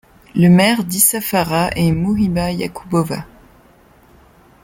Le maire d'Isafara est Muhiba Yakubova.